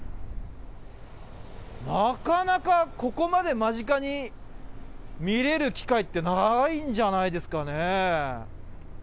なかなかここまで間近に見れる機会ってないんじゃないですかね。